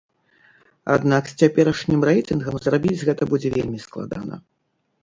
Аднак з цяперашнім рэйтынгам зрабіць гэта будзе вельмі складана.